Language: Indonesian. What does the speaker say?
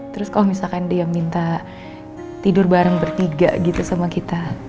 terus kalau misalkan dia minta tidur bareng bertiga gitu sama kita